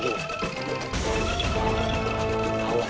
akhirnya kita menang aman